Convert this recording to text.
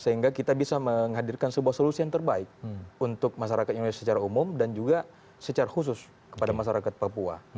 sehingga kita bisa menghadirkan sebuah solusi yang terbaik untuk masyarakat indonesia secara umum dan juga secara khusus kepada masyarakat papua